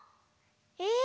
え。